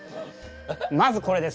まずこれです。